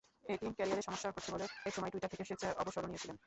এটি ক্যারিয়ারে সমস্যা করছে বলে একসময় টুইটার থেকে স্বেচ্ছা অবসরও নিয়েছিলেন।